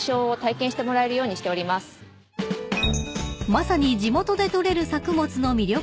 ［まさに］